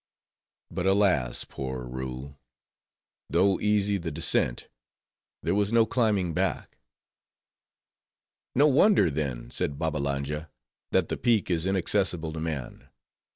But alas, poor Roo! though easy the descent, there was no climbing back." "No wonder, then," said Babbalanja, "that the peak is inaccessible to man.